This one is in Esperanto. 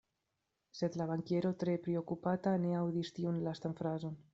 Sed la bankiero tre priokupata ne aŭdis tiun lastan frazon.